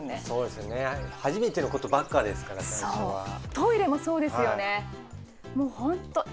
トイレもそうですよね。